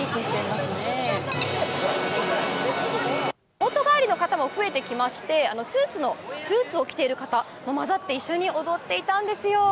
仕事帰りの方も増えてきまして、スーツを着ている方も交ざって一緒に踊っていたんですよ。